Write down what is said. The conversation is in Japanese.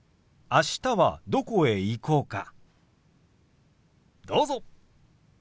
あしたはどこへ行こうか？